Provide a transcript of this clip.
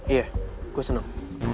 iya gue seneng